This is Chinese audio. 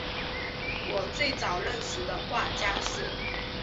我最早认识的画家是